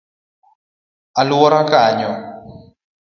Aluora konyo;